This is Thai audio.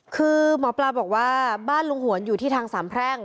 คือหมอปลาบอกว่าบ้านลุงหวนอยู่ที่ทางสามแพร่ง